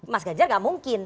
mas gajar gak mungkin